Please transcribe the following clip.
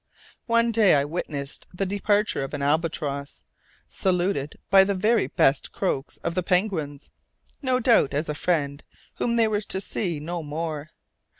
One day I witnessed the departure of an albatross, saluted by the very best croaks of the penguins, no doubt as a friend whom they were to see no more.